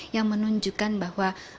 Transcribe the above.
yang menunjukkan bahwa